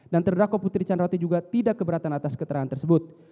dan terdakwa putri candrawati juga tidak keberatan atas keterangan tersebut